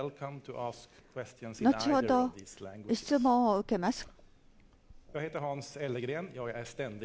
後ほど質問を受けます。